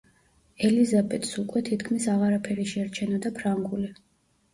ელიზაბეტს უკვე თითქმის აღარაფერი შერჩენოდა ფრანგული.